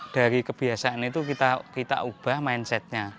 dari kebiasaan itu kita ubah mindsetnya